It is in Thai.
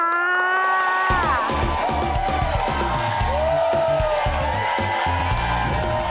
สวัสดีค่ะ